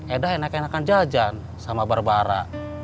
eda enak enakan jajan sama barbara